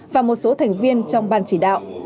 và một số thành viên trong ban chỉ đạo